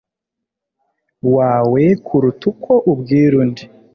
wawe kuruta uko ubwira undi